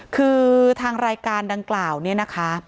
คือทางรายการดังกล่าวเนี่ยนะคะ